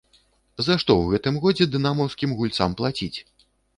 За што ў гэтым годзе дынамаўскім гульцам плаціць?